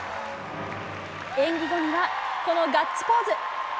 演技後には、このガッツポーズ。